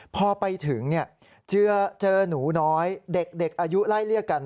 พอไปถึงเจอหนูน้อยเด็กอายุไล่เรียกกัน